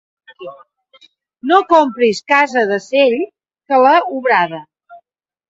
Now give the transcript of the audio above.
No compris casa de cell que l'ha obrada.